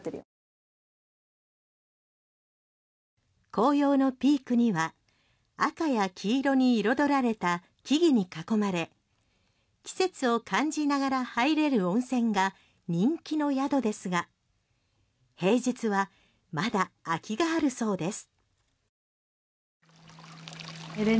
紅葉のピークには赤や黄色に彩られた木々に囲まれ季節を感じながら入れる温泉が人気の宿ですが平日はまだ空きがあるそうです。